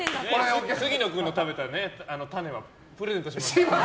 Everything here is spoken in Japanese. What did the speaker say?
杉野君が食べた種はプレゼントしますから。